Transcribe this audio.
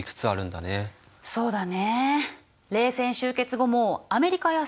そうだね。